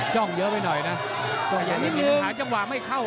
จ้องเยอะไปหน่อยนะตัวอย่างนี้มีสัมภาษณ์จังหวะไม่เข้า